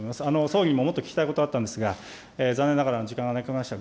総理にももっと聞きたいことがあったんですが、残念ながら時間がなくなりました。